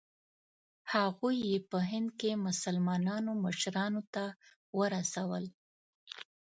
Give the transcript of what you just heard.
هغوی یې په هند کې مسلمانانو مشرانو ته ورسول.